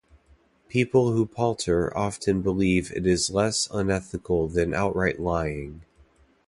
People who palter often believe it is less unethical than outright lying.